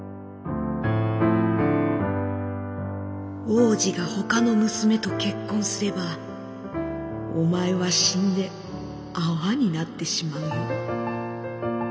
「王子がほかの娘と結婚すればお前は死んで泡になってしまうよ」。